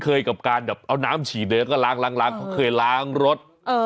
เอาน้ำฉี่เดินก็ล้างเคยล้างรถ